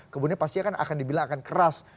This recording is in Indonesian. kemudian pasti akan dibilang akan keras